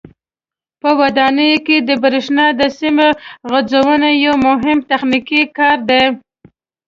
په ودانیو کې د برېښنا د سیم غځونه یو مهم تخنیکي کار دی.